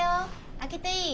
開けていい？